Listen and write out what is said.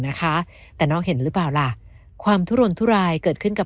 นะคะแต่น้องเห็นหรือเปล่าล่ะความทุรนทุรายเกิดขึ้นกับ